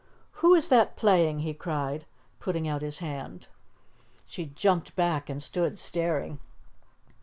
"Who is that playing?" he cried, putting out his hand. She jumped back and stood staring.